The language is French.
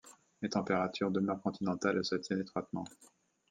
Les températures demeurent continentales et se tiennent étroitement.